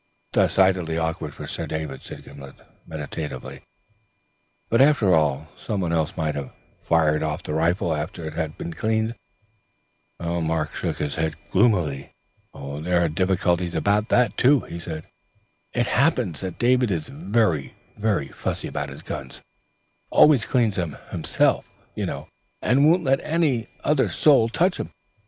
"Decidedly awkward for Sir David," said Gimblet meditatively, "but after all, some one else might have fired off the rifle after he had cleaned it." Mark shook his head gloomily. "There are difficulties about that," he said. "It happens that David is very fussy about his guns, always cleans them himself, you know, and won't let another soul touch 'em.